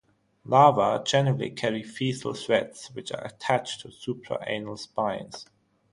Larva generally carry fecal threads which are attached to supra anal spines.